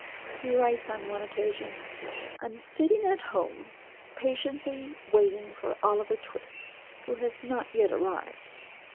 He writes on one occasion: "I am sitting at home, patiently waiting for Oliver Twist, who has not yet arrived."